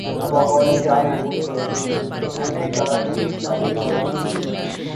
اب تو بقول شاہ محمود قریشی، دھرنے کا چالیسواں بھی